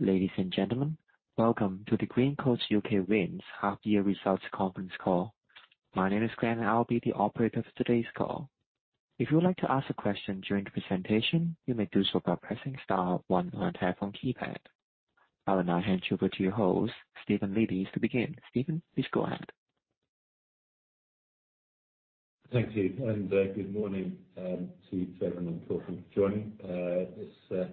Ladies and gentlemen, welcome to the Greencoat UK Wind Half Year Results Conference Call. My name is Glenn. I'll be the operator for today's call. If you would like to ask a question during the presentation, you may do so by pressing star one on your telephone keypad. I will now hand you over to your host,, to begin. Stephen, please go ahead. Thank you. Good morning to everyone for joining. This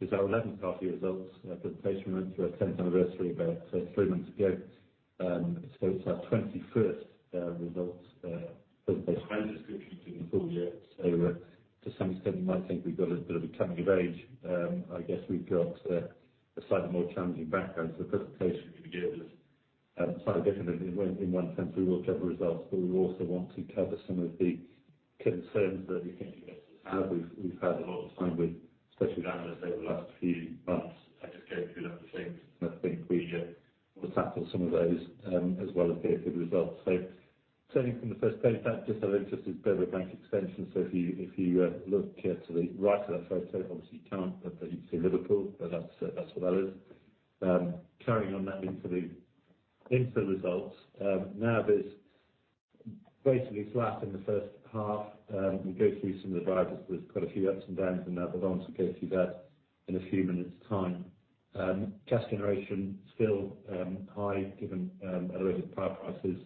is our 11th half year results presentation. We went through our 10th anniversary about three months ago. It's our 21st results presentation for you. To some extent, you might think we've got a bit of a coming of age. I guess we've got a slightly more challenging background. The presentation we give is quite different. In one sense, we will cover results, but we also want to cover some of the concerns that we think you guys have. We've had a lot of time with, especially analysts, over the last few months. I just go through a lot of things, and I think we should tackle some of those as well as the good results. Starting from the first page, that just out of interest, is Beverley Bank extension. If you look here to the right of that photo, obviously you can't, but you can see Liverpool, but that's what that is. Carrying on that into the results, NAV is basically flat in the first half. We'll go through some of the drivers. There's quite a few ups and downs in that, but I want to go through that in a few minutes time. Cash generation still high, given elevated power prices,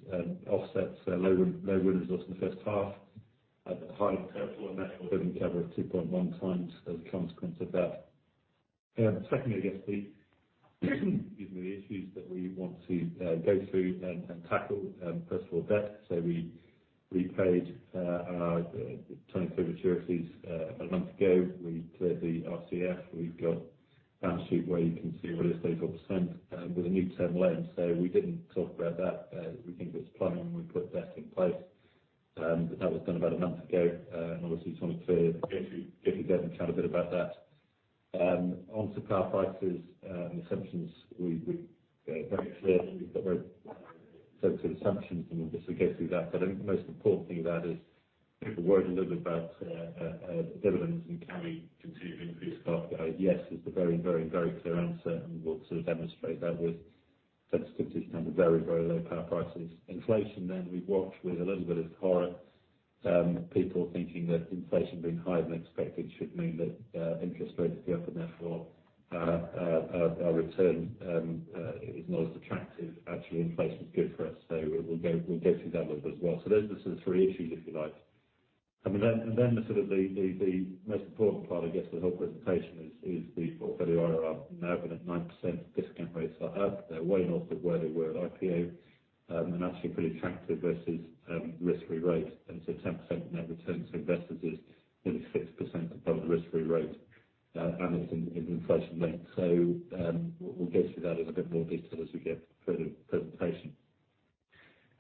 offsets low wind resource in the first half. At the high temporal and net dividend cover of 2.1 times as a consequence of that. Secondly, I guess the issues that we want to go through and tackle. First of all, debt. We repaid our 2024 maturities a month ago. We cleared the RCF. We've got a balance sheet where you can see realistically what was sent, with a new term loan. We didn't talk about that. We think it was planned when we put debt in place. That was done about a month ago. Obviously, just want to clear, go through that and chat a bit about that. Onto power prices and assumptions. We are very clear, we've got very focused assumptions, and we'll just go through that. I think the most important thing about is, people worry a little bit about dividends and can we continue to increase power? Yes, is the very clear answer, we'll sort of demonstrate that with sensitivity and very low power prices. Inflation, we've watched with a little bit of horror, people thinking that inflation being higher than expected should mean that interest rates go up, and therefore, our return is not as attractive. Actually, inflation is good for us, we'll go through that a little bit as well. Those are the three issues, if you like. The sort of the most important part, I guess, for the whole presentation is the portfolio IRR. Now we're at 9% discount rates are up. They're way north of where they were at IPO, actually pretty attractive versus risk-free rates. 10% net return to investors is nearly 6% above the risk-free rate, and it's in inflation length. We'll go through that in a bit more detail as we go through the presentation.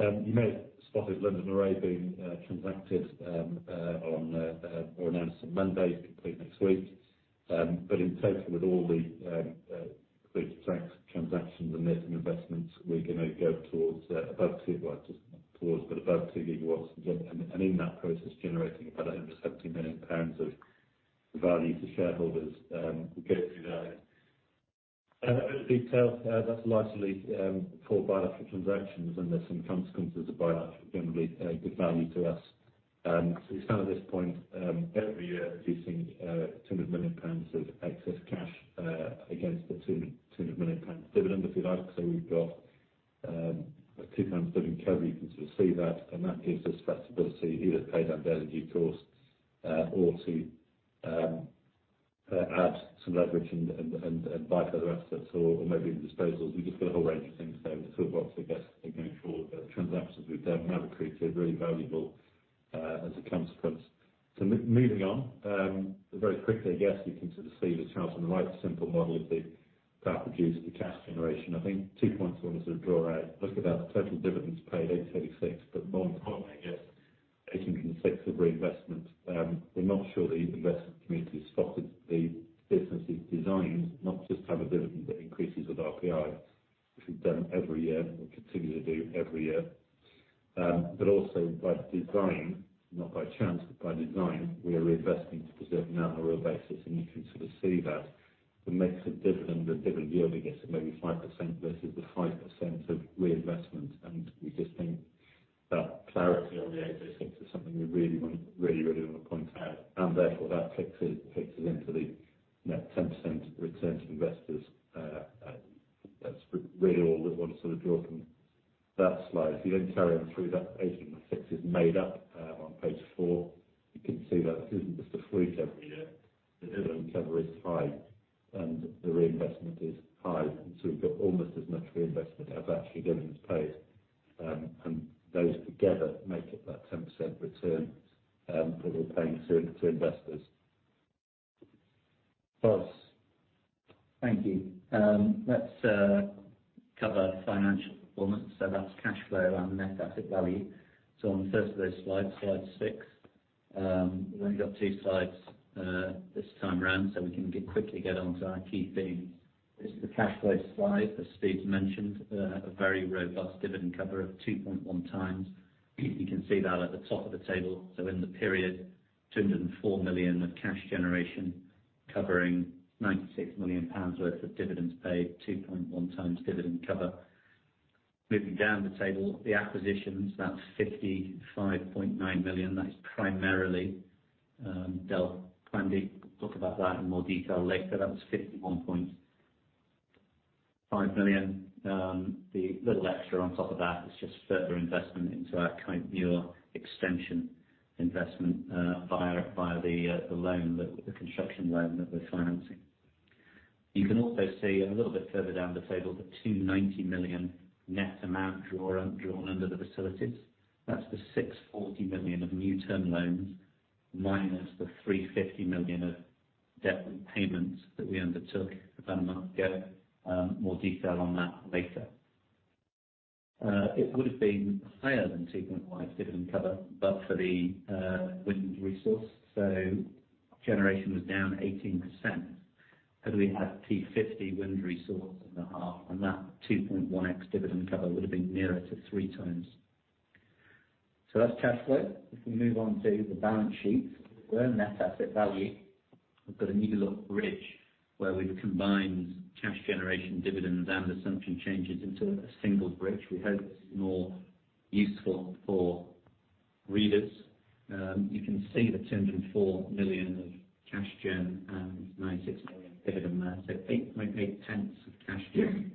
You may have spotted London Array being transacted on or announced on Monday, complete next week. In total, with all the transactions and the investment, we're gonna go towards above two, well, not towards, but above 2 GW. In that process, generating about 170 million pounds of value to shareholders, we'll go through that. A little detail, that's largely for biological transactions, and there's some consequences of biological, gonna be good value to us. We stand at this point, every year producing 200 million pounds of excess cash, against the 200 million pounds dividend, if you like. We've got a 2x dividend cover, you can sort of see that, and that gives us flexibility to either pay down debt as due course or to add some leverage and buy further assets or maybe disposals. We've just got a whole range of things there in the toolbox, I guess, in making sure that the transactions we've done have created really valuable, as a consequence. Moving on, very quickly, I guess you can sort of see the chart on the right, simple model of the power produced and the cash generation. I think two points I want to sort of draw out. Look at that total dividends paid, 8.36, but more importantly, I guess, 18.6 of reinvestment. We're not sure the investment community has spotted the business is designed not just to have a dividend that increases with RPI, which we've done every year, and we continue to do every year. But also by design, not by chance, but by design, we are reinvesting to preserve now on a real basis, and you can sort of see that. It makes a difference, a different yield, I guess, maybe 5% versus the 5% of reinvestment. We just think that clarity on the GBP 8.36 is something we really want to point out, and therefore that takes it, takes us into the net 10% return to investors. That's really all we want to sort of draw from that slide. You then carry on through that page, the fix is made up, on page 4. You can see that this isn't just a freak every year. The dividend cover is high, and the reinvestment is high. We've got almost as much reinvestment as actually dividends paid, and those together make up that 10% return, that we're paying to investors. Boss. Thank you. Let's cover financial performance. That's cash flow and net asset value. On the first of those slides, slide six, we've only got two slides this time around, we can quickly get onto our key themes. This is the cash flow slide, as Steve mentioned, a very robust dividend cover of 2.1 times. You can see that at the top of the table. In the period, 204 million of cash generation, covering 96 million pounds worth of dividends paid, 2.1 times dividend cover. Moving down the table, the acquisitions, that's 55.9 million. That is primarily Delphos. Andy will talk about that in more detail later. That was 51.5 million. The little extra on top of that is just further investment into our current year extension investment, via the loan, the construction loan that we're financing. You can also see a little bit further down the table, the 290 million net amount drawn under the facilities. That's the 640 million of new term loans, minus the 350 million of debt repayments that we undertook about a month ago. More detail on that later. It would have been higher than 2.1x dividend cover, but for the wind resource. Generation was down 18%, had we had 250 wind resource in the half, and that 2.1x dividend cover would have been nearer to three times. That's cash flow. If we move on to the balance sheet, we're a net asset value. We've got a new look bridge, where we've combined cash generation dividends and assumption changes into a single bridge. We hope it's more useful for readers. You can see the 204 million of cash gen and 96 million dividend there. Eight point eight pence of cash gen,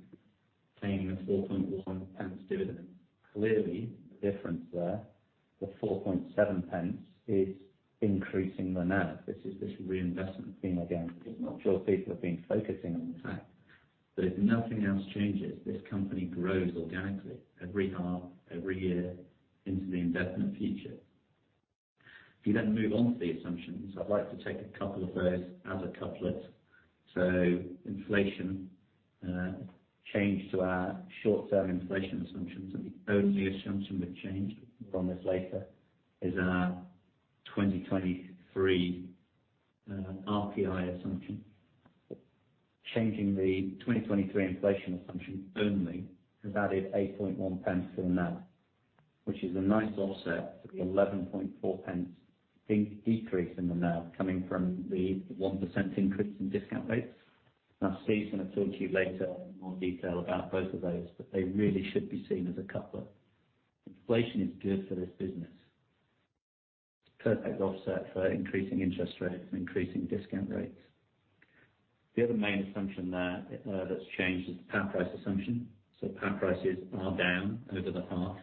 paying a 4.1 pence dividend. Clearly, the difference there, the 4.7 pence, is increasing the NAV. This is this reinvestment theme again. I'm not sure people have been focusing on the fact that if nothing else changes, this company grows organically every half, every year into the indefinite future. If you move on to the assumptions, I'd like to take a couple of those as a couplet. Inflation, changed to our short-term inflation assumptions, and the only assumption we've changed on this later is our 2023 RPI assumption. Changing the 2023 inflation assumption only, has added 8.1 pence to the NAV, which is a nice offset to the 11.4 pence decrease in the NAV, coming from the 1% increase in discount rates. Stephen's going to talk to you later in more detail about both of those, but they really should be seen as a couplet. Inflation is good for this business. Perfect offset for increasing interest rates and increasing discount rates. The other main assumption there, that's changed, is the power price assumption. Power prices are down over the half.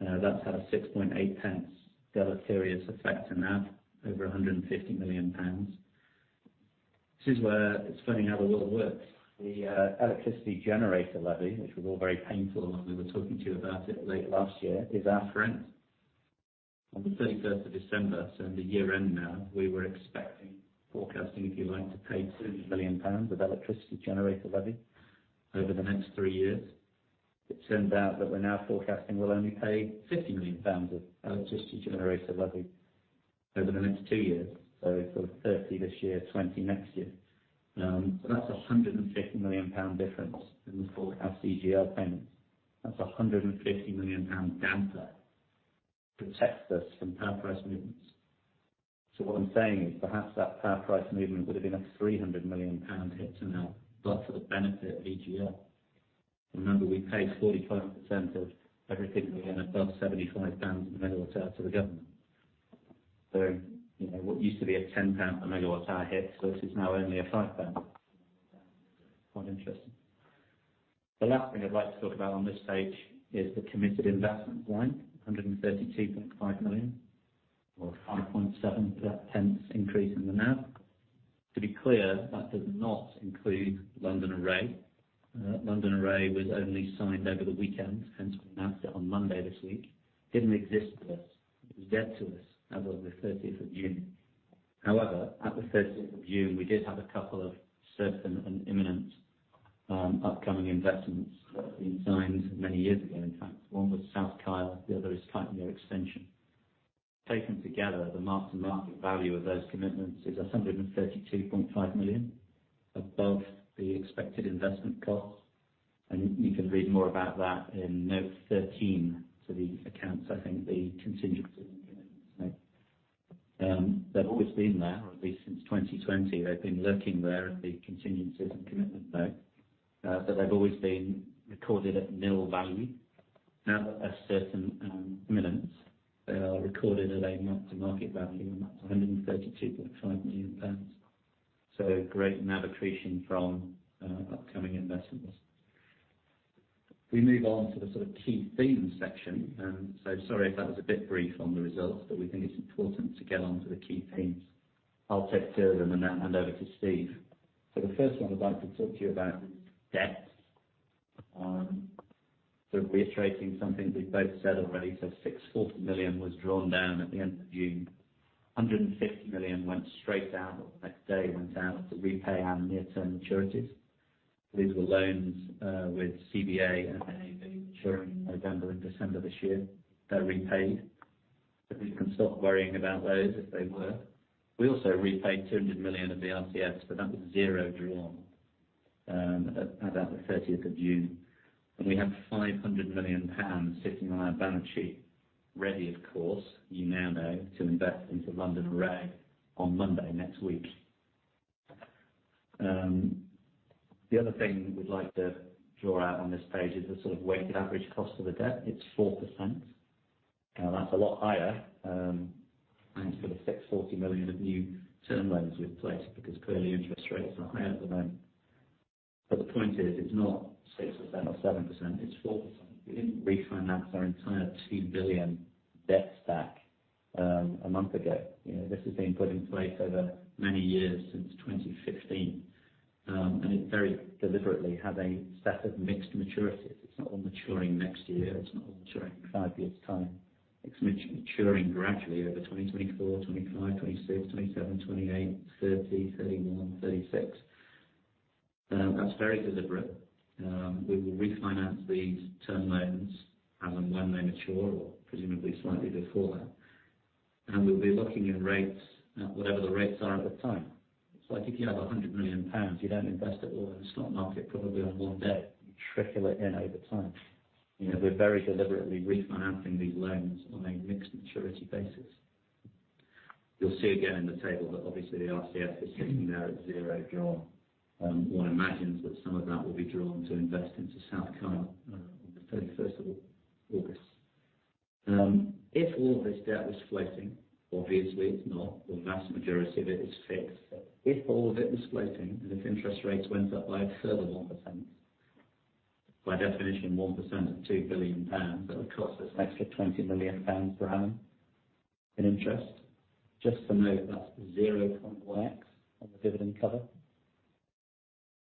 That's had a 6.8 pence deleterious effect in that, over 150 million pounds. This is where it's funny how the world works. The Electricity Generator Levy, which was all very painful, and we were talking to you about it late last year, is our friend. On the 31st of December, so in the year-end now, we were expecting, forecasting, if you like, to pay 30 million pounds of Electricity Generator Levy over the next three years. It turns out that we're now forecasting we'll only pay 50 million pounds of Electricity Generator Levy over the next two years. Sort of 30 this year, 20 next year. That's a 150 million pound difference in the forecast CGL payments. That's a 150 million pound damper, protects us from power price movements. What I'm saying is, perhaps that power price movement would have been a 300 million pound hit to now, but for the benefit of EGL. Remember, we paid 45% of everything we earn above 75 in the megawatt hour to the government. You know, what used to be a 10 pound per megawatt hour hit, this is now only a 5 pound. Quite interesting. The last thing I'd like to talk about on this page is the committed investment line, 132.5 million, or 5.7 pence increase in the NAV. To be clear, that does not include London Array. London Array was only signed over the weekend, hence we announced it on Monday this week. Didn't exist with us. It was dead to us as of the 30th of June. At the 30th of June, we did have a couple of certain and imminent upcoming investments that had been signed many years ago, in fact. One was South Kyle, the other is Kype Muir Extension. Taken together, the mark-to-market value of those commitments is 132.5 million, above the expected investment cost. You can read more about that in note 13 to the accounts, I think, the contingencies. They've always been there, at least since 2020. They've been lurking there in the contingencies and commitment note, but they've always been recorded at nil value. Now, as certain imminence, they are recorded at a mark-to-market value of 132.5 million pounds. Great NAV accretion from upcoming investments. We move on to the sort of key themes section. Sorry if that was a bit brief on the results, but we think it's important to get on to the key themes. I'll take 2 of them, and then hand over to Steve. The first one I'd like to talk to you about is debt. Reiterating something we've both said already, 640 million was drawn down at the end of June. 150 million went straight out, the next day, went out to repay our near-term maturities. These were loans, with CBA and NAV maturing November and December this year. They're repaid. We can stop worrying about those if they were. We also repaid 200 million of the RCFs, that was zero drawn, at about the 30th of June. We have 500 million pounds sitting on our balance sheet, ready of course, you now know, to invest into London Array on Monday next week. The other thing we'd like to draw out on this page is the sort of weighted average cost of the debt. It's 4%. That's a lot higher than for the 640 million of new term loans we've placed, because clearly interest rates are higher at the moment. The point is, it's not 6% or 7%, it's 4%. We didn't refinance our entire 2 billion debt stack a month ago. You know, this has been put in place over many years, since 2015. It very deliberately had a set of mixed maturities. It's not all maturing next year, it's not all maturing in 5 years' time. It's maturing gradually over 2024, 2025, 2026, 2027, 2028, 2030, 2031, 2036. That's very deliberate. We will refinance these term loans when they mature, or presumably slightly before that. We'll be looking at rates at whatever the rates are at the time. It's like if you have 100 million pounds, you don't invest it all in the stock market, probably on one day, you trickle it in over time. You know, we're very deliberately refinancing these loans on a mixed maturity basis. You'll see again in the table that obviously the RCF is sitting there at zero drawn. One imagines that some of that will be drawn to invest into South Kyle on the 31st of August. If all of this debt was floating, obviously it's not, the vast majority of it is fixed. If all of it was floating, and if interest rates went up by a further 1%, by definition, 1% of 2 billion pounds, that would cost us an extra 20 million pounds per annum in interest. Just to note, that's 0.x on the dividend cover.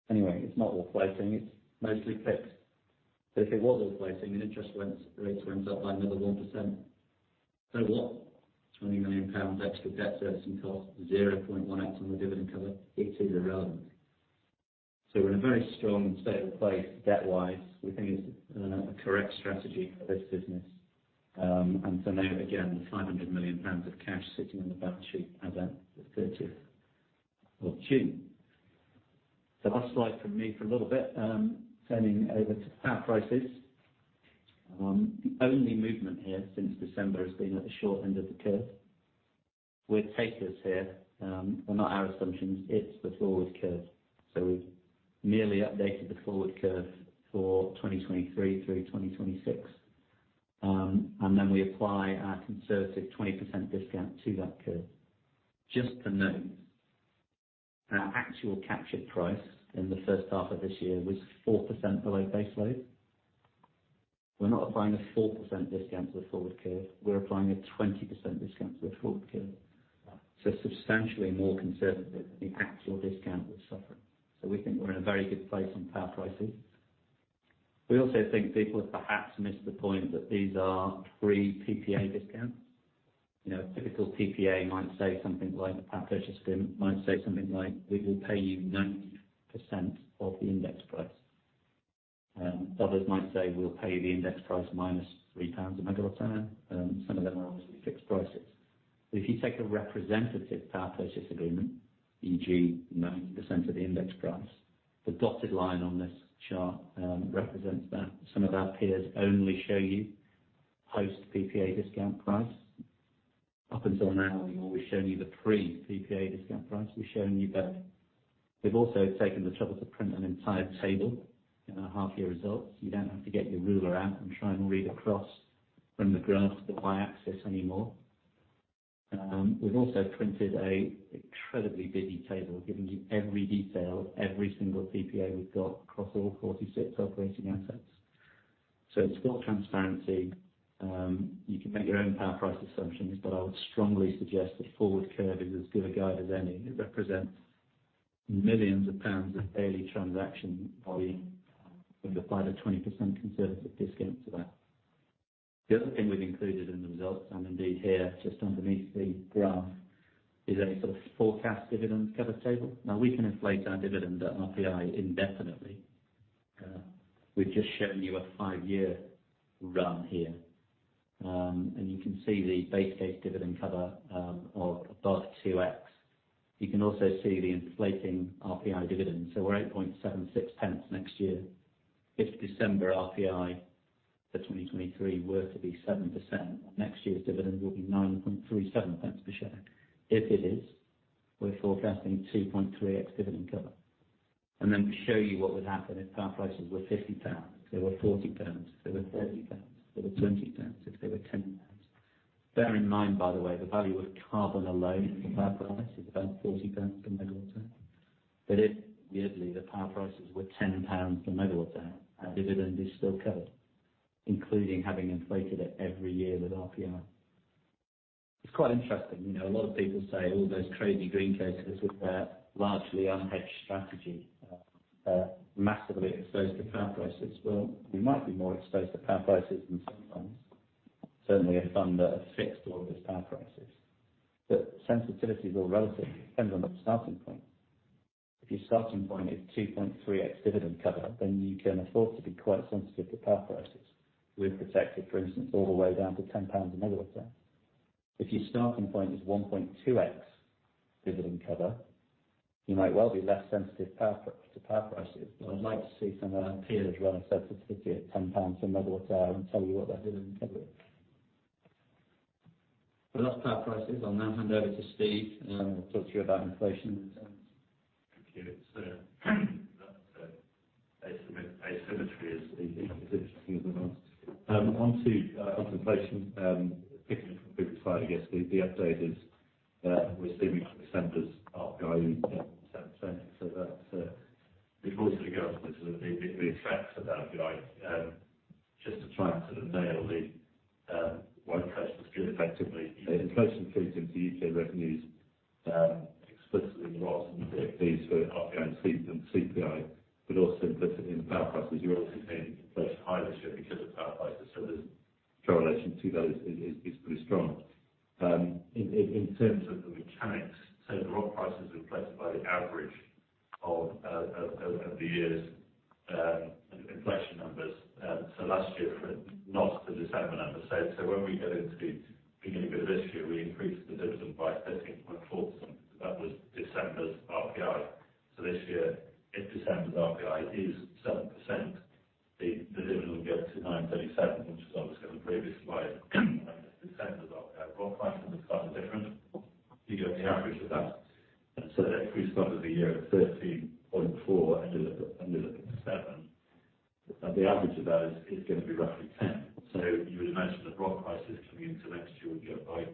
It's not all floating, it's mostly fixed. If it was all floating and interest rates went up by another 1%, so what? 20 million pounds extra debt servicing costs, 0.1x on the dividend cover, it is irrelevant. We're in a very strong state of play debt-wise. We think it's a correct strategy for this business. To note again, the 500 million pounds of cash sitting on the balance sheet as at the 30th of June. The last slide from me for a little bit, turning over to power prices. The only movement here since December has been at the short end of the curve. We're takers here, well, not our assumptions, it's the forward curve. We've merely updated the forward curve for 2023 through 2026. We apply our conservative 20% discount to that curve. Just to note, our actual captured price in the first half of this year was 4% below base load. We're not applying a 4% discount to the forward curve, we're applying a 20% discount to the forward curve. Substantially more conservative than the actual discount we're suffering. We think we're in a very good place on power pricing. We also think people have perhaps missed the point that these are free PPA discounts. You know, a typical PPA might say something like, a power purchase agreement might say something like, "We will pay you 90% of the index price." Others might say, "We'll pay the index price minus 3 pounds a megawatt hour." Some of them are obviously fixed prices. If you take a representative power purchase agreement, e.g., 90% of the index price, the dotted line on this chart represents that. Some of our peers only show you post-PPA discount price. Up until now, we've always shown you the pre-PPA discount price. We've shown you both. We've also taken the trouble to print an entire table in our half year results. You don't have to get your ruler out and try and read across from the graph, the Y-axis anymore. We've also printed a incredibly busy table, giving you every detail, every single PPA we've got across all 46 operating assets. It's full transparency. You can make your own power price assumptions, but I would strongly suggest the forward curve is as good a guide as any. It represents millions of GBP of daily transaction volume. Apply the 20% conservative discount to that. The other thing we've included in the results, indeed here, just underneath the graph, is a sort of forecast dividend cover table. We can inflate our dividend at RPI indefinitely. We've just shown you a 5-year run here. You can see the base case dividend cover of above 2x. You can also see the inflating RPI dividend. We're 0.0876 next year. If December RPI for 2023 were to be 7%, next year's dividend will be 0.0937 per share. If it is, we're forecasting 2.3x dividend cover. To show you what would happen if power prices were 50 pounds, if they were 40 pounds, if they were 30 pounds, if they were 20 pounds, if they were 10 pounds. Bear in mind, by the way, the value of carbon alone in the power price is about 0.40 pounds per MWh. If, weirdly, the power prices were 10 pounds per MWh, our dividend is still covered, including having inflated it every year with RPI. It's quite interesting, you know, a lot of people say all those crazy green cases with their largely unhedged strategy, are massively exposed to power prices. We might be more exposed to power prices than some funds, certainly a fund that are fixed all those power prices. Sensitivity is all relative, depends on the starting point. If your starting point is 2.3x dividend cover, then you can afford to be quite sensitive to power prices. With protected, for instance, all the way down to 10 pounds a megawatt hour. If your starting point is 1.2x dividend cover, you might well be less sensitive power to power prices, but I'd like to see some of our peers run a sensitivity at GBP 10 to a megawatt hour and tell you what their dividend cover is. That's power prices. I'll now hand over to Steve, and he'll talk to you about inflation. Thank you, sir. Asymmetry is interesting as well. Onto inflation. Picking up from the previous slide, I guess the update is, we're seeing December's RPI at 7%. That, before we go into the effects of that RPI, just to try and sort of nail the wide questions effectively. The inflation feeds into UK revenues, explicitly in the RPIs for RPI and CPI, but also implicitly in the power prices. You also seeing inflation higher just because of power prices, so the correlation to those is pretty strong. In terms of the mechanics, so the rock prices are replaced by the average of the years', inflation numbers. Last year not the December numbers. When we get into the beginning of this year, we increased the dividend by 13.4%. That was December's RPI. This year, if December's RPI is 7%, the dividend will get to 9.37, which is obviously on the previous slide. December's RPI, rock prices are slightly different. You get the average of that. That increased over the year of 13.4, and you're looking at 7. The average of those is going to be roughly 10. You would imagine the rock prices coming into next year would go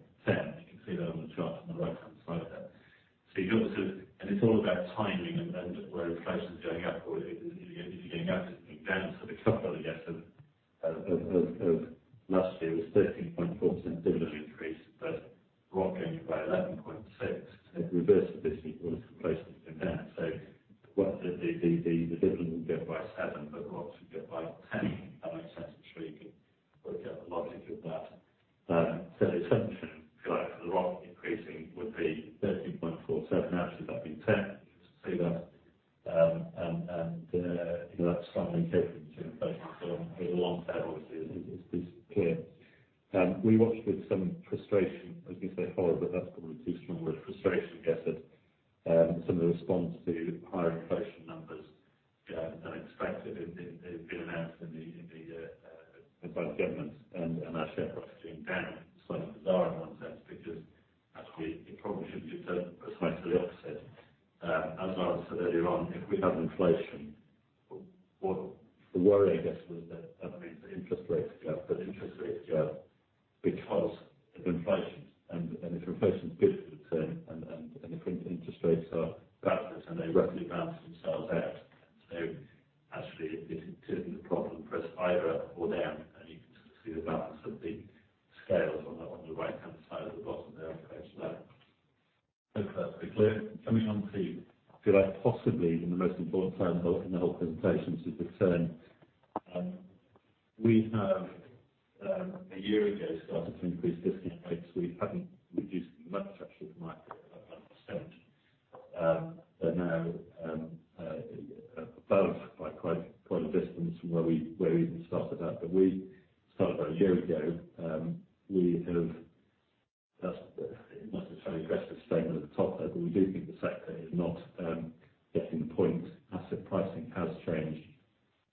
getting the point. Asset pricing has changed.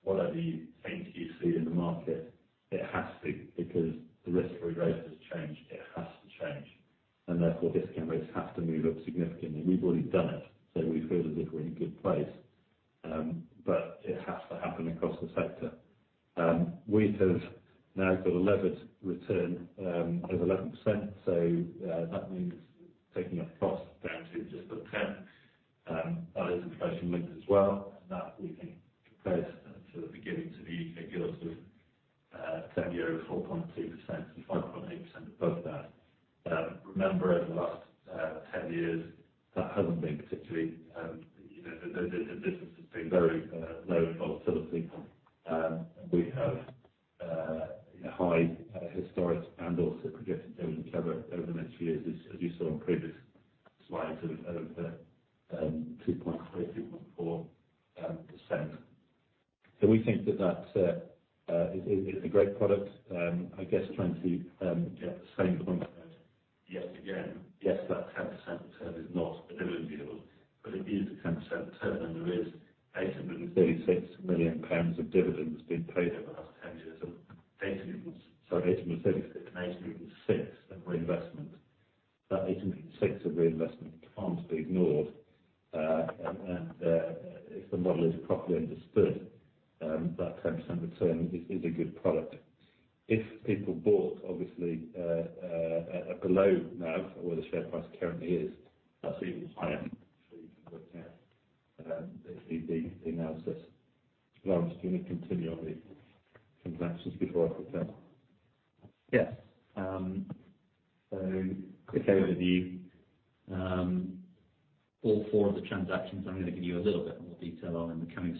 Whatever you think you see in the market, it has to, because the risk-free rate has changed, it has to change, and therefore, discount rates have to move up significantly. We've already done it, so we feel as if we're in a good place, but it has to happen across the sector. We have now got a levered return over 11%, so that means taking a cost down to just over 10%. That is inflation linked as well. That we can compare to the beginning to the UK yields of 10 years, 4.2% and 5.8% above that. Remember, over the last 10 years, that hasn't been particularly, you know, the business has been very low volatility. We have high historic handles that we're getting over the next few years, as you saw on previous slides of 2.3.4%. We think that that is a great product. I guess trying to get the same point yet again. Yes, that 10% return is not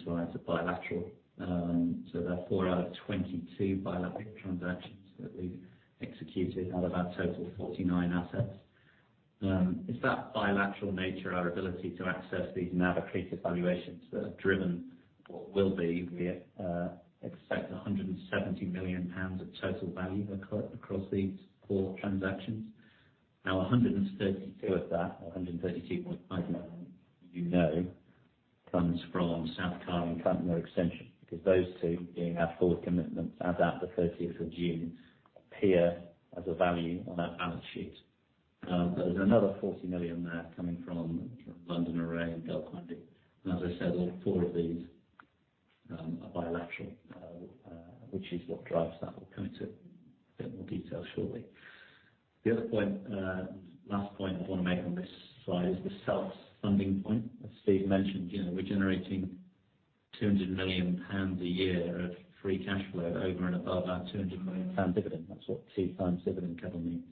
1 billion deals, but it is a 10% return, and there is GBP 836 million of dividends being paid over the last 10 years. 836, sorry, 836, 806 in reinvestment. That 806 of reinvestment can't be ignored. If the model is properly understood, that 10% return is a good product. If people bought, obviously, below now, where the share price currently is, that's even higher than the analysis. Lawrence, do you want to continue on the transactions before I forget? Yes. Quick overview. All 4 of the transactions, I'm going to give you a little bit more detail on in the coming slides, are bilateral. There are 4 out of 22 bilateral transactions that we've executed out of our total 49 assets. It's that bilateral nature, our ability to access these NAV-accretive valuations that have driven, or will be, we expect GBP 170 million of total value across these 4 transactions. Now, 132 of that, or 132.5 million, you know, comes from South Kyle and Kype Muir Extension, because those 2, being our 4th commitment as at the 30th of June, appear as a value on our balance sheet. There's another 40 million there coming from London Array and Delphos. As I said, all four of these are bilateral, which is what drives that. We'll come to a bit more detail shortly. The other point, last point I want to make on this slide is the self-funding point. As Steve mentioned, you know, we're generating 200 million pounds a year of free cash flow over and above our 200 million pound dividend. That's what 2 times dividend cover means.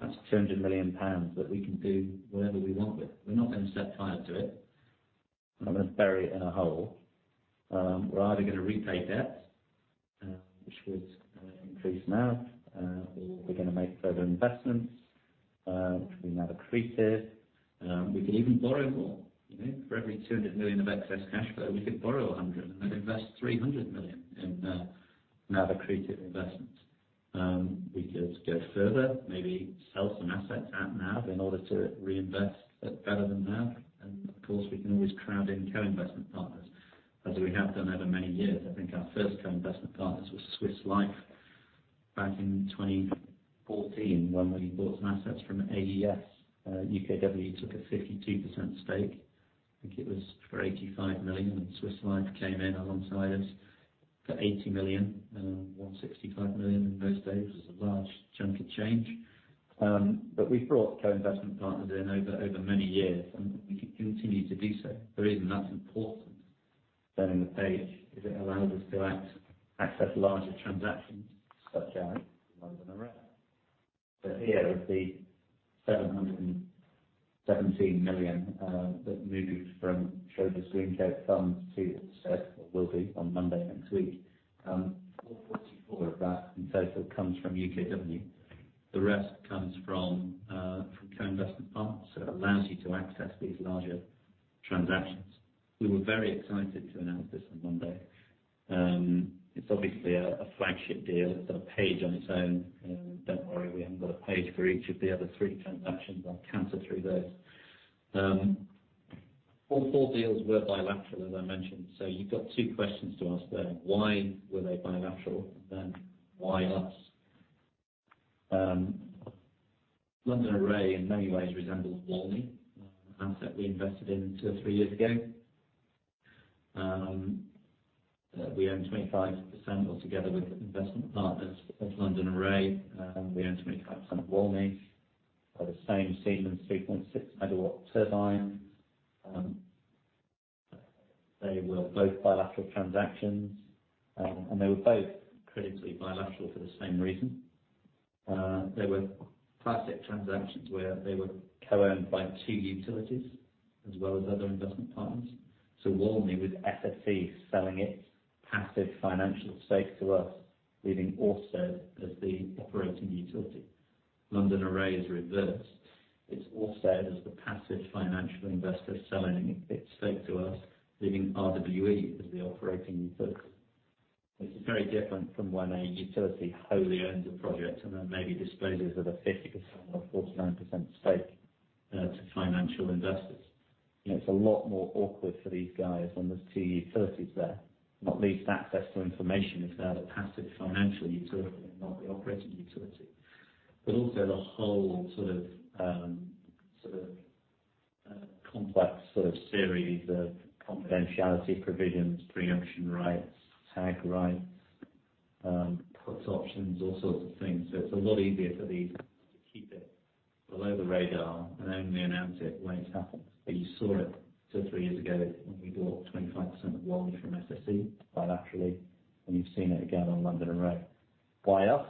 That's 200 million pounds that we can do whatever we want with. We're not going to set fire to it. We're not going to bury it in a hole. We're either going to repay debt, which would increase NAV, or we're going to make further investments, which we NAV accretive. We could even borrow more, you know, for every 200 million of excess cash flow, we could borrow 100 million and invest 300 million in NAV-accretive investments. We could go further, maybe sell some assets at NAV in order to reinvest, but better than NAV. Of course, we can always crowd in co-investment partners, as we have done over many years. I think our first co-investment partners was Swiss Life back in 2014, when we bought some assets from AES. UKW took a 52% stake. I think it was for 85 million, and Swiss Life came in alongside us for 80 million. 165 million in those days was a large chunk of change. We've brought co-investment partners in over many years, and we can continue to do so. The reason that's important, turning the page, is it allows us to access larger transactions, such as London Array. Here is the 717 million that moves from Schroders Greencoat Funds to the set, will be on Monday next week. 444 of that in total comes from UKW. The rest comes from co-investment partners. It allows you to access these larger transactions. We were very excited to announce this on Monday. It's obviously a flagship deal. It's got a page on its own. Don't worry, we haven't got a page for each of the other three transactions. I'll counter through those. All four deals were bilateral, as I mentioned. You've got two questions to ask there: Why were they bilateral? Why us? London Array in many ways resembles Walney, an asset we invested in 2 or 3 years ago. We own 25%, all together with investment partners of London Array, we own 25% of Walney. Are the same Siemens 3.6 megawatt turbines. They were both bilateral transactions, they were both critically bilateral for the same reason. They were classic transactions, where they were co-owned by 2 utilities, as well as other investment partners. Walney, with SSE selling its passive financial stake to us, leaving Ofgem as the operating utility. London Array is reversed. It's Ofgem, as the passive financial investor, selling its stake to us, leaving RWE as the operating utility. This is very different from when a utility wholly owns a project and then maybe disposes of a 50% or 49% stake to financial investors. It's a lot more awkward for these guys when there's two utilities there. Not least, access to information, if they're the passive financial utility, not the operating utility, but also the whole complex series of confidentiality provisions, pre-emption rights, tag rights, put options, all sorts of things. It's a lot easier for these to keep it below the radar and only announce it when it happens. You saw it two, three years ago, when we bought 25% of Walney from SSE bilaterally, and you've seen it again on London Array. Why us?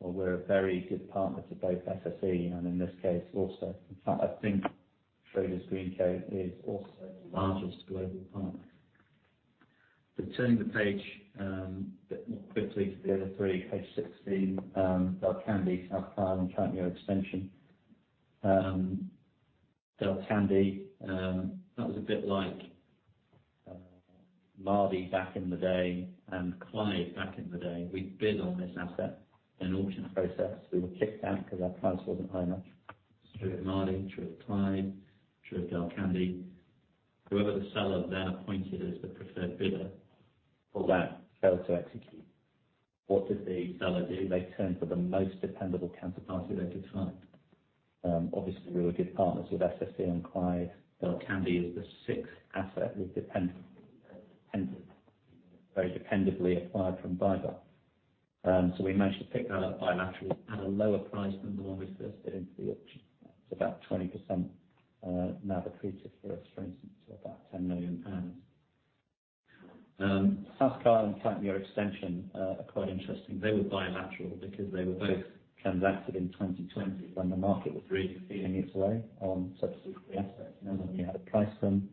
We're a very good partner to both SSE, and in this case, also, in fact, I think Schroders Greencoat is also the largest global partner. Turning the page, a bit more quickly to the other three, page 16, Delcambre, South Kyle and Cantmire Extension. Delcambre, that was a bit like Maerdy back in the day and Clyde back in the day. We bid on this asset in an auction process. We were kicked out because our price wasn't high enough. True of Maerdy, true of Clyde, true of Delcambre. Whoever the seller then appointed as the preferred bidder for that failed to execute. What did the seller do? They turned to the most dependable counterparty they could find. Obviously, we were good partners with SSE and Clyde. Delcambre is the 6th asset we've depended, very dependably acquired from BayWa r.e. We managed to pick that up bilaterally at a lower price than the one we first bid into the auction. It's about 20%, NAV accretive for us, for instance, about 10 million pounds. South Kyle and Kype Muir Extension are quite interesting. They were bilateral because they were both transacted in 2020, when the market was really feeling its way on substitute assets, and then we had to price them....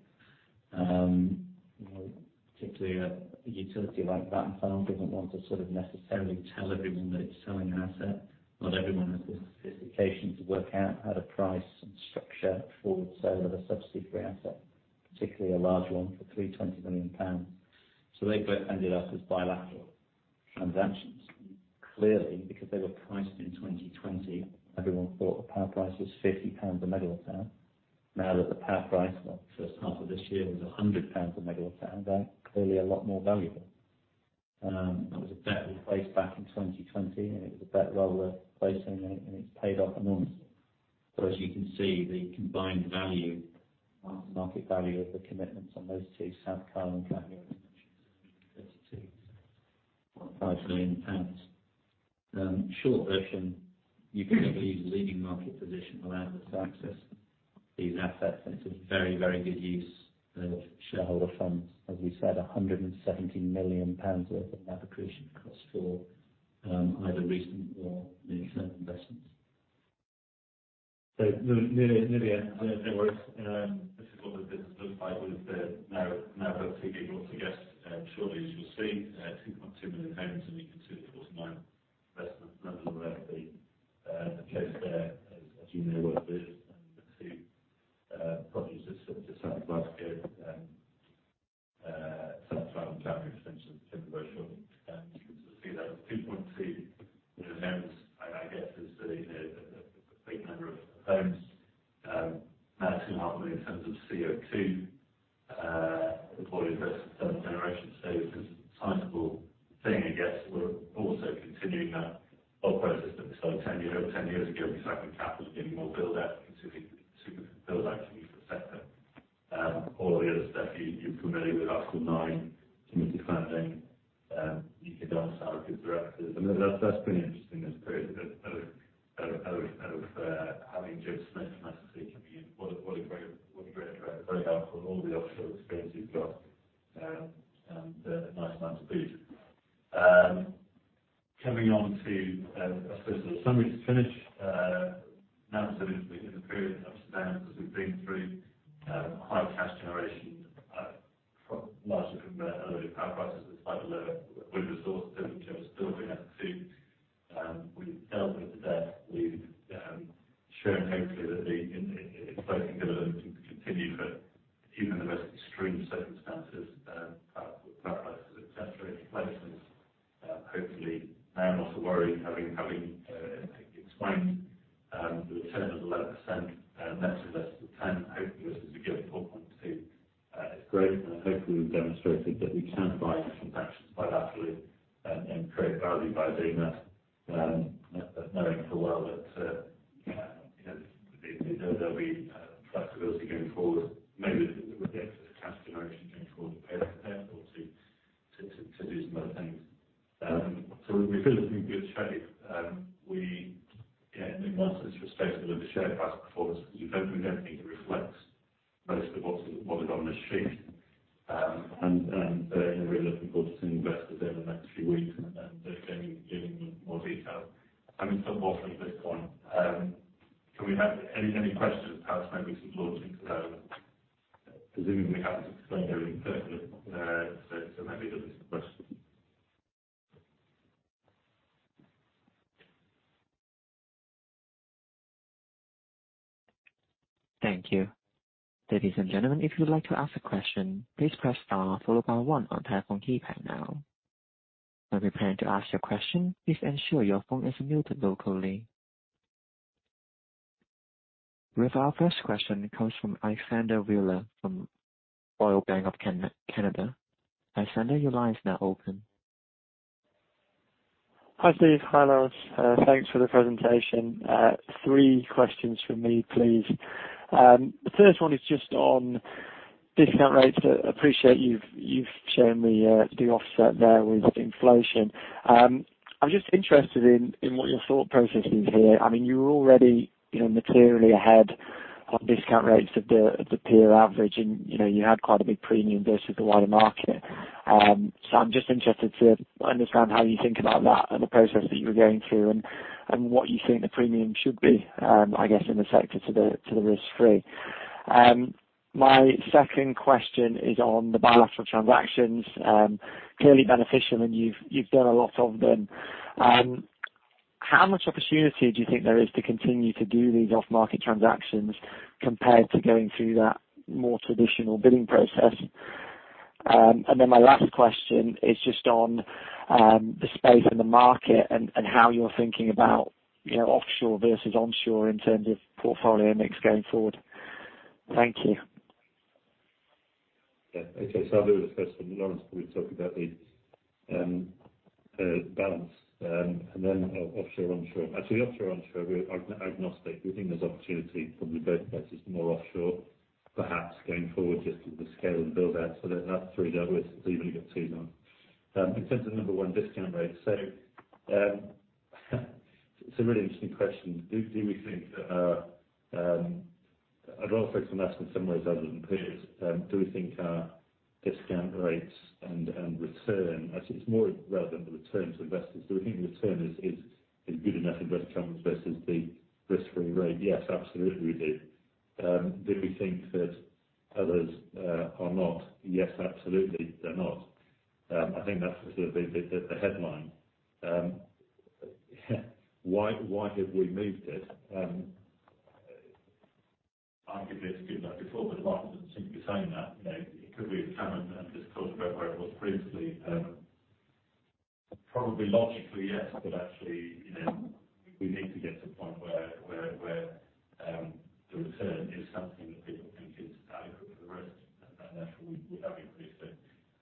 particularly a utility like that, and doesn't want to sort of necessarily tell everyone that it's selling an asset. Not everyone has the sophistication to work out how to price and structure for the sale of a subsidiary asset, particularly a large one for 320 million pounds. They both ended up as bilateral transactions. Clearly, because they were priced in 2020, everyone thought the power price was 50 pounds a megawatt hour. Now that the power price for the first half of this year was 100 pounds a megawatt hour, they're clearly a lot more valuable. That was a bet we placed back in 2020, and it was a bet well worth placing, and it's paid off enormously. As you can see, the combined value, the market value of the commitments on those two, South Kyle and Cantarell Extensions, GBP 32.5 million. Short version, UK Power's leading market position allowed us to access these assets, and it's a very, very good use of shareholder funds. As we said, 117 million pounds worth of navigation costs for either recent or near-term investments. Nearly at the end. No worries. This is what the business looks like with the now 2 GW, I guess. Shortly, as you'll see, 2.2 million homes, The first one is just on discount rates. I appreciate you've shown me the offset there with inflation. I'm just interested in what your thought process is here. I mean, you're already, you know, materially ahead on discount rates of the peer average, and, you know, you had quite a big premium versus the wider market. I'm just interested to understand how you think about that and the process that you were going through, and what you think the premium should be, I guess, in the sector to the risk-free. My second question is on the bilateral transactions, clearly beneficial, and you've done a lot of them. How much opportunity do you think there is to continue to do these off-market transactions, compared to going through that more traditional bidding process? My last question is just on the space in the market and how you're thinking about, you know, offshore versus onshore in terms of portfolio mix going forward. Thank you. Okay, I'll do the first one. Laurence will talk about the balance and then offshore, onshore. Actually, offshore, onshore, we're agnostic. We think there's opportunity from both places, more offshore, perhaps going forward, just with the scale and build-out. That's three there, so you only get two now. In terms of number one, discount rate. It's a really interesting question. A lot of folks have asked in some ways, other than peers, do we think our discount rates and return? Actually, it's more relevant to the returns to investors. Do we think the return is good enough in risk terms versus the risk-free rate? Yes, absolutely, we do. Do we think that others are not? Yes, absolutely, they're not. I think that's the headline. Why have we moved it? I could get into that before, but I don't seem to be saying that. You know, it could be a comment and just talk about where it was previously. Probably logically, yes, but actually, you know, we need to get to the point where the return is something that people think is adequate for the risk, and therefore we have increased it.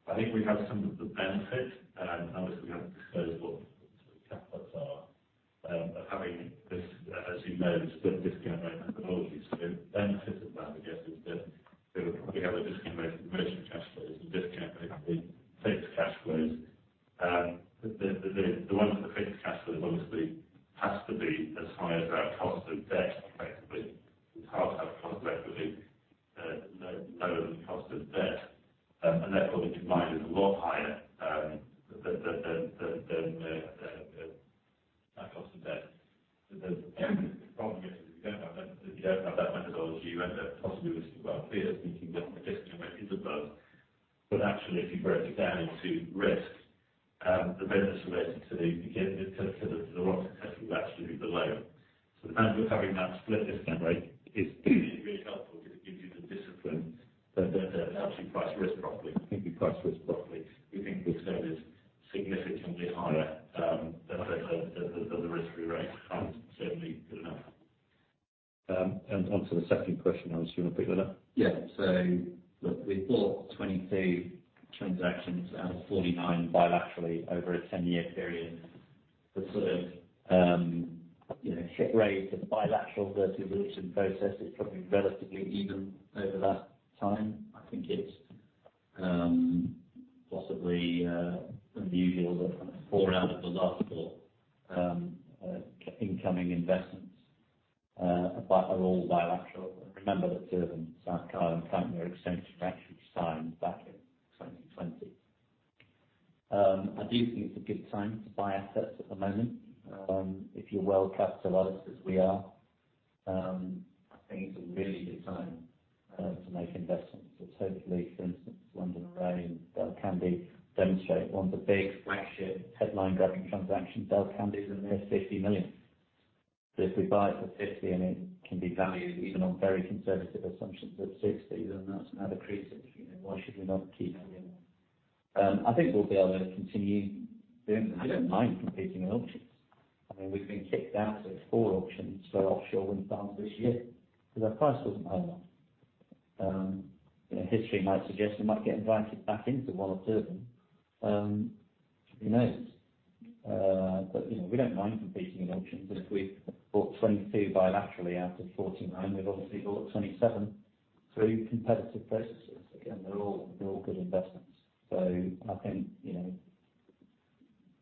I think we have some of the benefit, and obviously, we have to disclose what the cap rates are, of having this, as you know, split discount rate methodologies. The benefit of that, I guess, is that we probably have a discount rate for merchant cash flows and discount rate on the fixed cash flows. The one for the fixed cash flow, obviously, has to be as high as our cost of debt, effectively. It's hard to have cost, effectively, lower than the cost of debt, and that, probably, combined, is a lot higher than our cost of debt. The problem is, if you don't have that, if you don't have that methodology, you end up possibly risking our peers, thinking that the discount rate is above. Actually, if you break it down into risk, the benefits related to the rock testing are absolutely below. The benefit of having that split discount rate is really helpful because it gives you the discipline to actually price risk properly. I think we price risk properly. We think the return is significantly higher, than the risk-free rate, and certainly good enough. On to the second question, I assume a quick one up. Yeah. Look, we bought 22 transactions out of 49 bilaterally over a 10-year period. The sort of, you know, hit rate of bilateral versus auction process is probably relatively even over that time. I think it's possibly unusual that 4 out of the last 4 incoming investments are all bilateral. Remember that Durban, South Carolina, and Faulkner extension were actually signed back in 2020. I do think it's a good time to buy assets at the moment. If you're well-capitalized, as we are, I think it's a really good time to make investments. Hopefully, for instance, London Array and Dalquhandy demonstrate, one's a big flagship, headline-grabbing transaction. Dalquhandy is only 50 million. If we buy it for 50, and it can be valued, even on very conservative assumptions, at 60, then that's another creative, you know? Why should we not keep doing that? I think we'll be able to continue doing that. We don't mind competing in auctions. I mean, we've been kicked out of four auctions for offshore wind farms this year, because our price wasn't high enough. You know, history might suggest we might get invited back into one or two of them. Who knows? You know, we don't mind competing in auctions, if we've bought 22 bilaterally out of 49, we've obviously bought 27 through competitive processes. They're all good investments. I think, you know,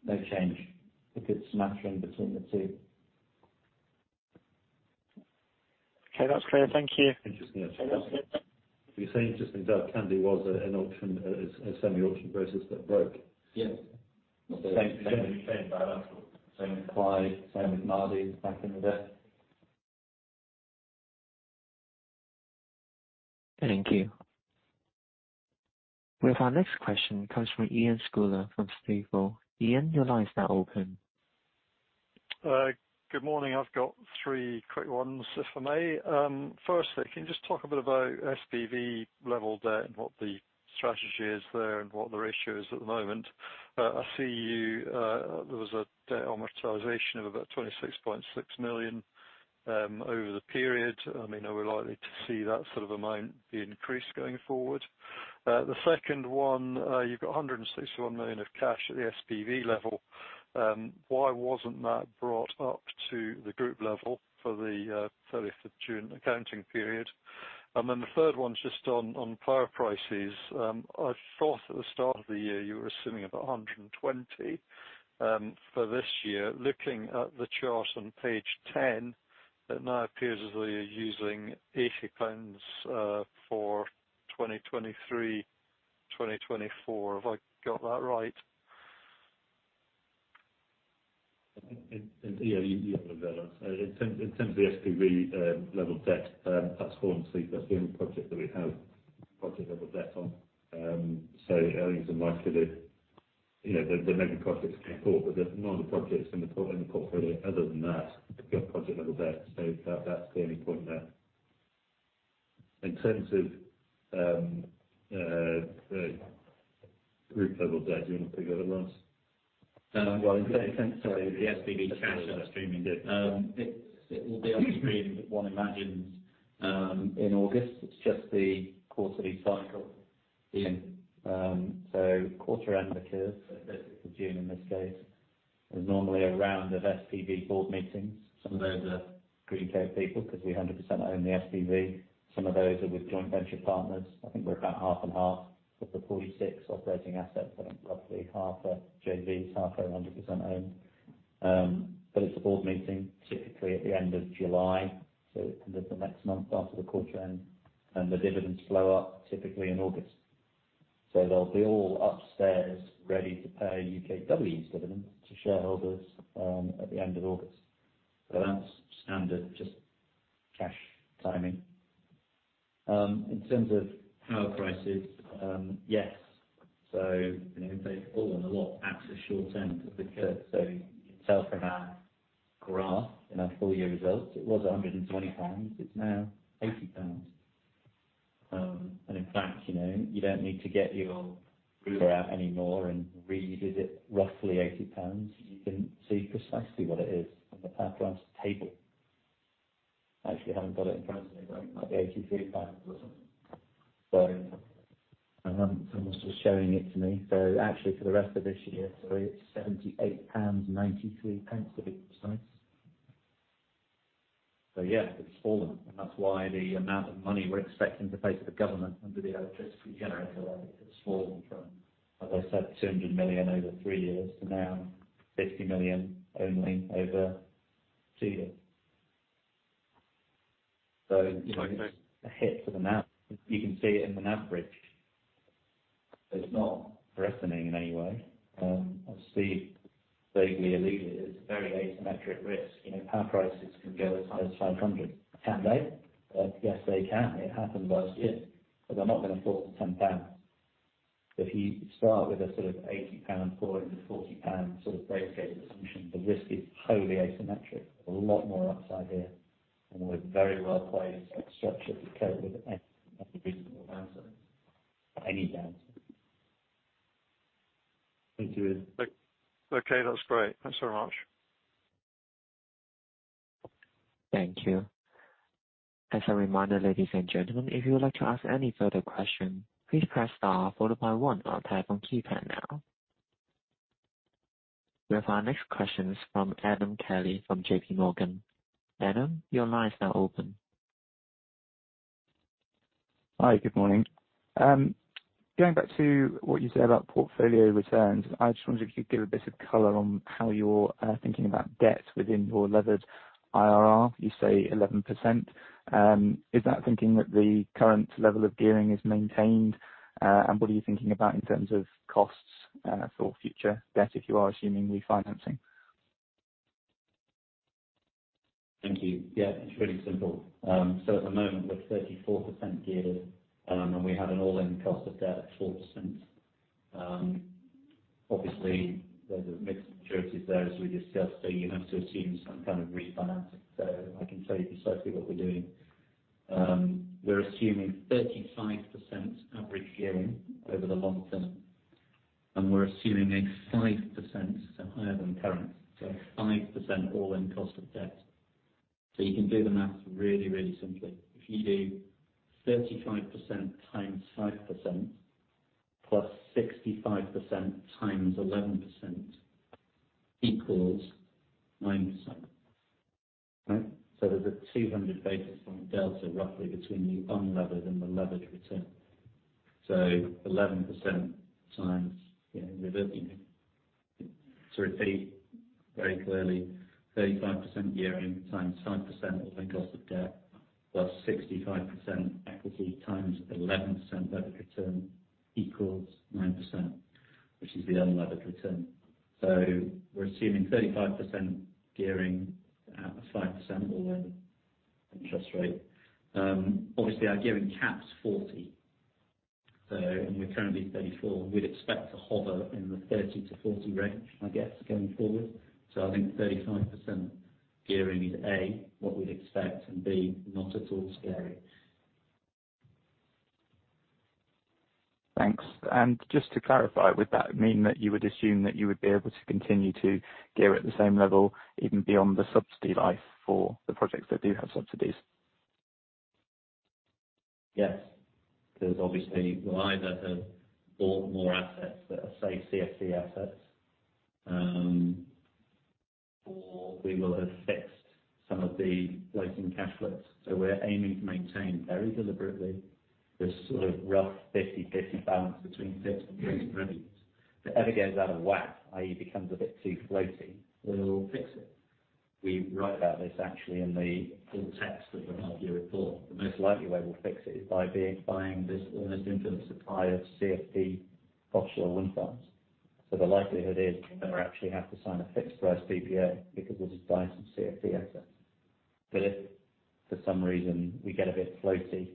no change. A good smattering between the two. Okay, that's clear. Thank you. Interesting. You're saying just in Dalquhandy was an auction, a semi-auction process that broke? Yes. Same bilateral. Same with Clyde, same with Nadi, back in the day. Thank you. Well, our next question comes from Iain Scouller, from Stifel. Iain, your line is now open. Good morning. I've got three quick ones, if I may. Firstly, can you just talk a bit about SPV level debt and what the strategy is there and what the ratio is at the moment? I see you. There was a debt amortization of about 26.6 million over the period. I mean, are we likely to see that sort of amount be increased going forward? The second one, you've got 161 million of cash at the SPV level. Why wasn't that brought up to the group level for the 30th of June accounting period? The third one's just on power prices. I thought at the start of the year, you were assuming about 120 for this year. Looking at the chart on page 10, it now appears as though you're using 80 pounds, for 2023, 2024. Have I got that right? Yeah, you have it about right. In terms of the SPV level debt, that's Hornsea. That's the only project that we have project-level debt on. Earnings are likely to. You know, there may be projects in port, but there are no other projects in the portfolio other than that, to get project-level debt. That's the only point there. In terms of group level debt, do you want to pick that up, Lance? Well, in terms of the SPV cash streaming, it will be on stream, one imagines, in August. It's just the quarterly cycle in. Quarter end occurs, it's June in this case. There's normally a round of SPV board meetings. Some of those are Greenco people, because we 100% own the SPV. Some of those are with joint venture partners. I think we're about half and half of the 46 operating assets, roughly half are JVs, half are 100% owned. It's a board meeting, typically at the end of July, so the next month after the quarter end, the dividends flow up typically in August. They'll be all upstairs ready to pay UKW's dividend to shareholders at the end of August. That's standard, just cash timing. In terms of power prices, yes. You know, they've fallen a lot at the short end of the curve. You saw from our graph in our full year results, it was 120 pounds, it's now 80 pounds. In fact, you know, you don't need to get your ruler out anymore and read, is it roughly 80 pounds? You can see precisely what it is in the power price table. I actually haven't got it in front of me, but it might be GBP 83 or something. Hang on, someone was just showing it to me. Actually, for the rest of this year, so it's 78.93 pounds, to be precise. It's fallen, and that's why the amount of money we're expecting to pay to the government under the Electricity Generator Levy has fallen from, as I said, 200 million over 3 years to now 50 million only over two years. It's a hit for the NAV. You can see it in the NAV bridge. It's not threatening in any way. As Steve vaguely alluded, it's a very asymmetric risk. You know, power prices can go as high as 500. Can they? Yes, they can. It happened last year, but they're not going to fall to 10 pounds. If you start with a sort of 80 pound, falling to 40 pound sort of base case assumption, the risk is wholly asymmetric. A lot more upside here, and we're very well placed and structured to cope with any reasonable answer, any answer. Thank you. Okay, that's great. Thanks very much. Thank you. As a reminder, ladies and gentlemen, if you would like to ask any further questions, please press star followed by oneon your phone keypad now. We have our next question from Adam Kelly from JPMorgan. Adam, your line is now open. Hi, good morning. Going back to what you said about portfolio returns, I just wonder if you could give a bit of color on how you're thinking about debt within your levered IRR. You say 11%, is that thinking that the current level of gearing is maintained? What are you thinking about in terms of costs for future debt, if you are assuming refinancing? Thank you. Yeah, it's really simple. At the moment, we're 34% geared, and we have an all-in cost of debt at 4%. Obviously, there's a mix of maturities there, as we discussed, so you have to assume some kind of refinancing. I can tell you precisely what we're doing. We're assuming 35% average gearing over the long term, and we're assuming a 5%, so higher than current. 5% all-in cost of debt. You can do the math really, really simply. If you do 35% times 5%, plus 65% times 11% equals 9%. Right? There's a 200 basis point delta, roughly, between the unlevered and the levered return. 11% times, you know, reversing it. To repeat very clearly, 35% gearing times 5% all-in cost of debt, plus 65% equity times 11% levered return, equals 9%, which is the unlevered return. We're assuming 35% gearing at a 5% all-in interest rate. Obviously, our gearing cap's 40, and we're currently at 34. We'd expect to hover in the 30-40 range, I guess, going forward. I think 35% gearing is, A, what we'd expect, and B, not at all scary. Thanks. Just to clarify, would that mean that you would assume that you would be able to continue to gear at the same level, even beyond the subsidy life for the projects that do have subsidies? Because obviously we'll either have bought more assets that are, say, CFD assets, or we will have fixed some of the floating cash flows. We're aiming to maintain very deliberately, this sort of rough 50/50 balance between fixed and floating rates. If it ever goes out of whack, i.e., becomes a bit too floaty, we'll fix it. We wrote about this actually in the full text of the half year report. The most likely way we'll fix it is by buying this infinite supply of CFD offshore wind farms. The likelihood is, we never actually have to sign a fixed price PPA, because we'll just buy some CFD assets. If for some reason we get a bit floaty,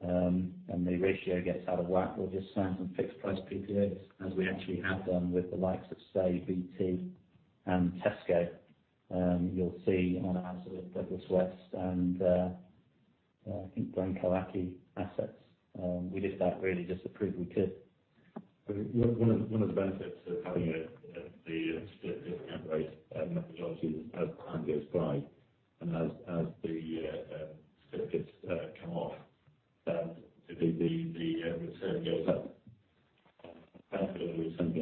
and the ratio gets out of whack, we'll just sign some fixed price PPAs, as we actually have done with the likes of, say, BT and Tesco. You'll see on our Douglas West and, I think Glen Kyllachy assets, we did that really just to prove we could. One of the benefits of having the stripped down price methodology as time goes by and as the circuits come off, the return goes up. Obviously, something that obviously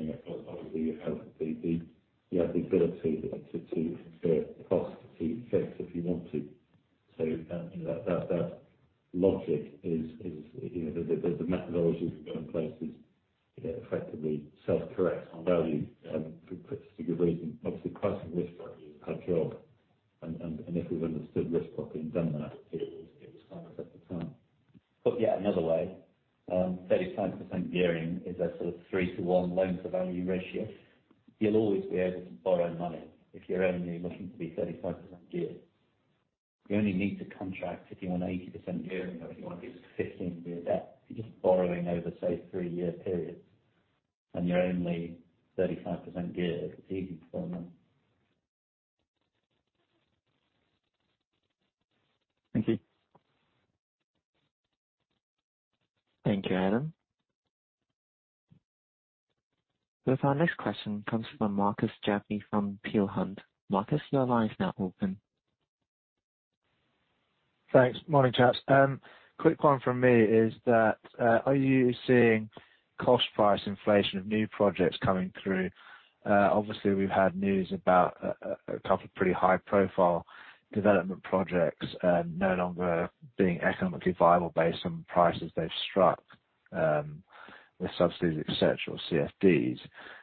subsidies, et cetera, or CFDs.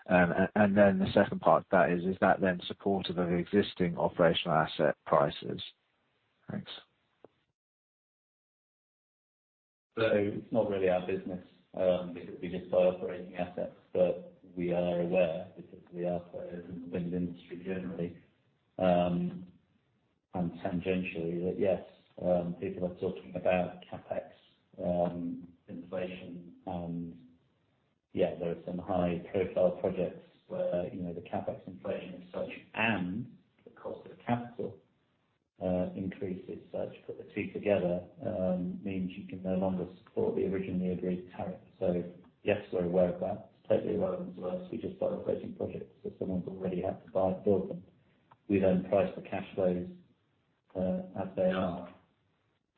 The second part of that is that then supportive of existing operational asset prices? Thanks. It's not really our business, because we just buy operating assets, but we are aware, because we are a player in the wind industry generally. Tangentially, that, yes, people are talking about CapEx, inflation and yeah, there are some high-profile projects where, you know, the CapEx inflation is such, and the cost of capital, increase is such, put the two together, means you can no longer support the originally agreed tariff. Yes, we're aware of that. It's totally irrelevant to us. We just buy operating projects, so someone's already had to buy and build them. We then price the cash flows, as they are.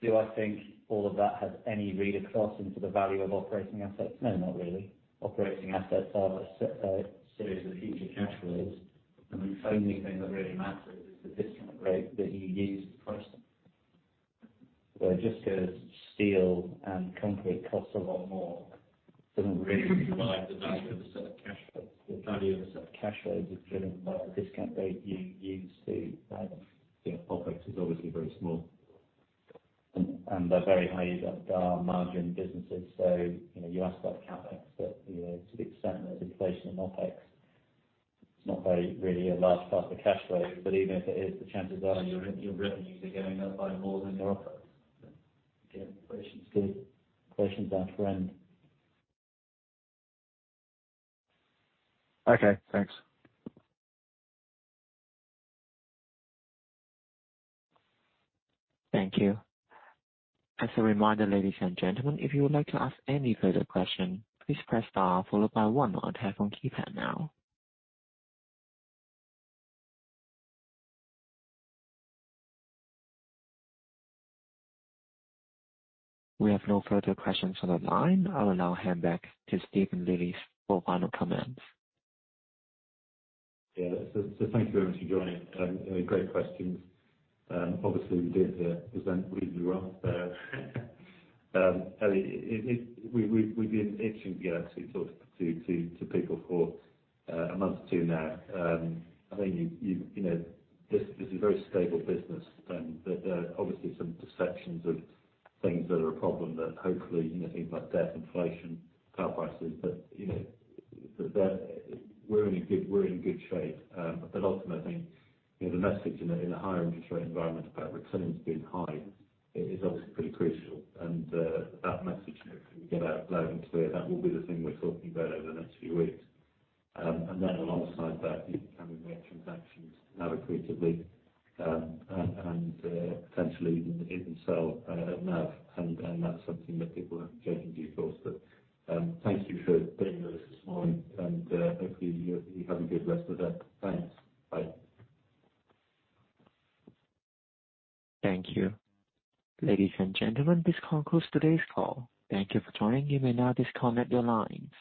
Do I think all of that has any read-across into the value of operating assets? No, not really. Operating assets are a series of future cash flows. The only thing that really matters is the discount rate that you use to price them. Just 'cause steel and concrete costs a lot more, doesn't really drive the value of a set of cash flows. The value of a set of cash flows is driven by the discount rate you use to value them. The OpEx is obviously very small, and they're very high margin businesses. You know, you ask about CapEx, but, you know, to the extent there's inflation in OpEx, it's not very, really a large part of the cash flow. Even if it is, the chances are your revenues are going up by more than your OpEx. Again, inflation's good. Inflation's our friend. Okay, thanks. Thank you. As a reminder, ladies and gentlemen, if you would like to ask any further question, please press star followed by one on your telephone keypad now. We have no further questions on the line. I'll now hand back to Steve and Lily for final comments. Thank you very much for joining. They were great questions. Obviously, we did the present reasonably well, so, and it, we've been itching to get out to talk to people for a month or two now. I think you know, this is a very stable business, but there are obviously some perceptions of things that are a problem that hopefully, you know, things like debt, inflation, power prices. You know, we're in good shape. Ultimately, you know, the message in a, in a higher interest rate environment about returns being high is obviously pretty crucial. That message, if we get out loud and clear, that will be the thing we're talking about over the next few weeks. Then alongside that, you can make transactions now accretively, and potentially even sell above NAV. That's something that people are genuinely forced to. Thank you for being with us this morning, and hopefully you have a good rest of the day. Thanks. Bye. Thank you. Ladies and gentlemen, this concludes today's call. Thank you for joining. You may now disconnect your lines.